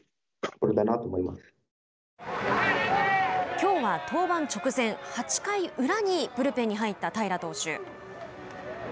きょうは登板直前８回裏にブルペンに入った平良投手。